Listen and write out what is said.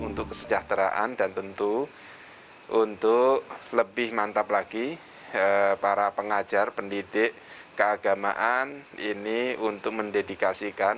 untuk kesejahteraan dan tentu untuk lebih mantap lagi para pengajar pendidik keagamaan ini untuk mendedikasikan